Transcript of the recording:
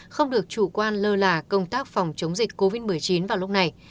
không được chủ quan lơ là công tác phòng chống dịch covid một mươi chín vào lúc này